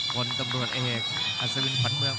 คนตำรวจเอกอัศวินขวัญเมือง